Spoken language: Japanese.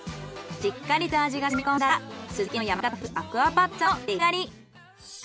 しっかりと味がしみこんだらスズキの山形風アクアパッツァのできあがり。